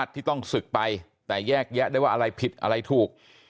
ที่ต้องศึกไปแต่แยกแยะได้ว่าอะไรผิดอะไรถูก